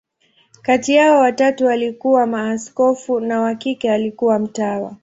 Kati yao, watatu walikuwa maaskofu, na wa kike alikuwa mtawa.